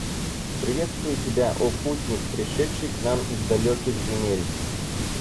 Приветствую тебя, о путник, пришедший к нам из далёких земель.